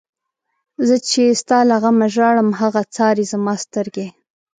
زه چی ستا له غمه ژاړم، هغه څاری زما سترگی